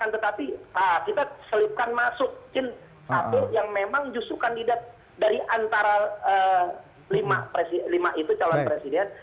tetapi kita selipkan masukin satu yang memang justru kandidat dari antara lima itu calon presiden